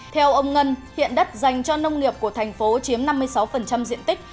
theo ông ngân hiện đất dành cho nông nghiệp của tp hcm chiếm năm mươi sáu diện tích